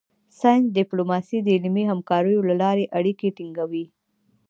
ساینس ډیپلوماسي د علمي همکاریو له لارې اړیکې ټینګوي